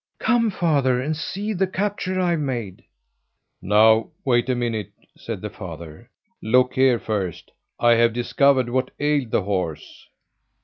"Come, father, and see the capture I've made!" "No, wait a minute!" said the father. "Look here, first. I have discovered what ailed the horse."